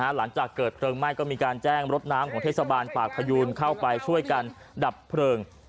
หลังจากเกิดเพลิงไหม้ก็มีการแจ้งรถน้ำของเทศบาลปากพยูนเข้าไปช่วยกันดับเพลิง